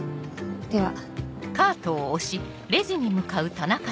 では。